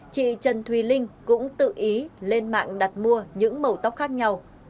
chị trần thùy linh cũng tự ý lên mạng đặt mua những màu tóc khác nhau